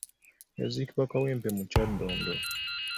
Yaziikibwa Kawempe mu Kyaddondo.